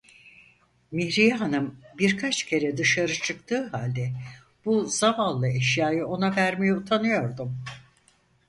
Mihriye hanım birkaç kere dışarı çıktığı halde bu zavallı eşyayı ona vermeye utanıyordum.